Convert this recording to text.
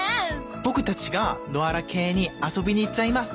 ボクたちが野原家に遊びに行っちゃいます